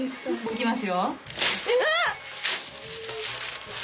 いきますよ。